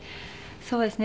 そうですね。